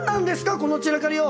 この散らかりよう。